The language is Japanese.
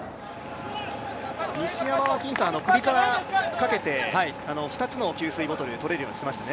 西山は首からかけて２つの給水ボトルを取れるようにしましたね。